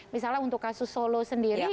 misalnya untuk kasus solo sendiri